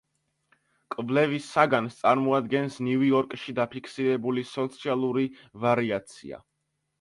კვლევის საგანს წარმოადგენს ნიუ იორკში დაფიქსირებული სოციალური ვარიაცია.